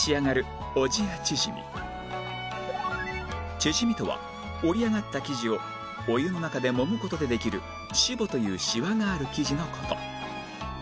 ちぢみとは織り上がった生地をお湯の中でもむ事でできるシボというシワがある生地の事